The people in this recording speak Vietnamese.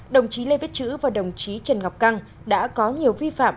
đồng chí lê viết chữ và đồng chí trần ngọc căng đã có nhiều vi phạm